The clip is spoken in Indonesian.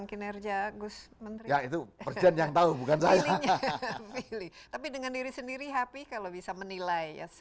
kinerja gus menteri ya itu perjan yang tahu bukan saya tapi dengan diri sendiri happy kalau bisa